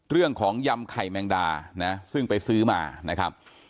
เรื่องของยำไข่แมงดานะซึ่งไปซื้อมานะครับ